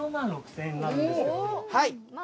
はい。